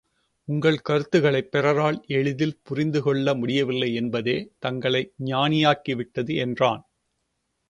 உங்கள் கருத்துக்களைப் பிறரால் எளிதில் புரிந்து கொள்ள முடியவில்லை என்பதே தங்களை ஞானியாக்கிவிட்டது என்றான்.